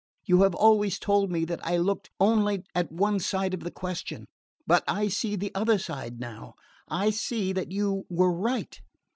You have always told me that I looked only at one side of the question; but I see the other side now I see that you were right."